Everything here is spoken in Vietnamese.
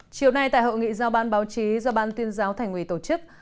chiều nay tại hội nghị giao ban báo chí do ban tuyên giáo thành ủy tổ chức